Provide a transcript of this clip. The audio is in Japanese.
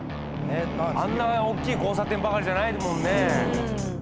あんなおっきい交差点ばかりじゃないもんね。